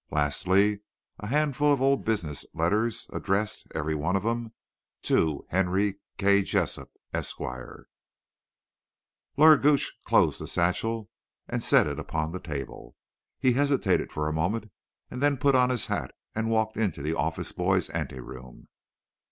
Lastly, a handful of old business letters, addressed—every one of them—to "Henry K. Jessup, Esq." Lawyer Gooch closed the satchel, and set it upon the table. He hesitated for a moment, and then put on his hat and walked into the office boy's anteroom.